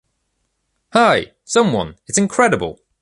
Hi! Someone! It’s incredible!